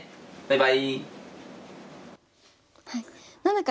はい。